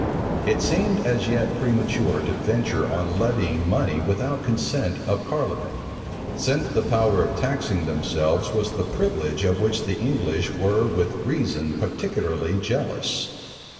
It seemed as yet premature to venture on levying money without consent of parliament; since the power of taxing themselves was the privilege of which the English were with reason particularly jealous.